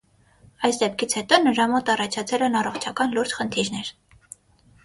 Այս դեպքից հետո, նրա մոտ առաջացել են առողջական լուրջ խնդիրներ։